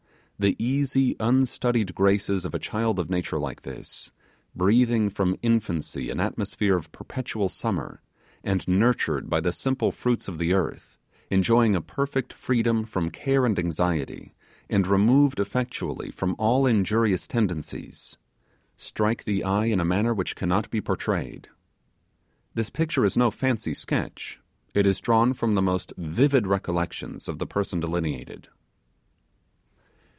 The easy unstudied graces of a child of nature like this, breathing from infancy an atmosphere of perpetual summer, and nurtured by the simple fruits of the earth; enjoying a perfect freedom from care and anxiety, and removed effectually from all injurious tendencies, strike the eye in a manner which cannot be pourtrayed. This picture is no fancy sketch; it is drawn from the most vivid recollections of the person delineated.